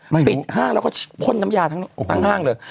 ไม่รู้ปิดห้างแล้วก็พ่นน้ำยาทั้งทั้งห้างเลย